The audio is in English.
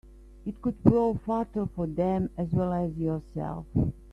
It could prove fatal for them as well as yourself.